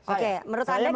oke menurut anda gimana